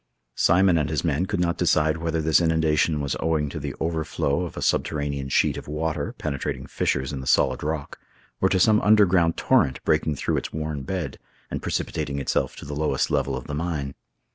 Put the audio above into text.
Simon and his men could not decide whether this inundation was owing to the overflow of a subterranean sheet of water penetrating fissures in the solid rock, or to some underground torrent breaking through its worn bed, and precipitating itself to the lowest level of the mine.